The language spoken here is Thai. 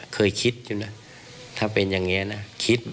เคยคิดอยู่นะถ้าเป็นอย่างนี้นะคิด